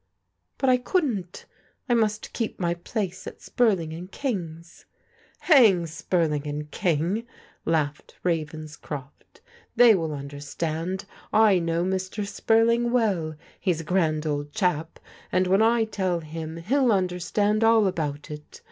" But I couldn't. I must keep my place at Spurling and King's," "Hang Spurling and King," laughed Ravenscroft. " They will understand. I know Mr. Spurling well ; he's a grand old chap, and when I tell him he'll understand all about it.